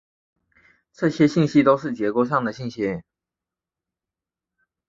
这些信息都是结构上的信息。